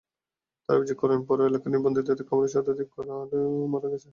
তাঁরা অভিযোগ করেন, পৌর এলাকার নিবন্ধিত খামারের শতাধিক গরু মারা গেছে।